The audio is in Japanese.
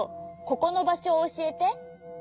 ここのばしょをおしえて。